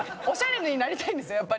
オシャレになりたいんですよ。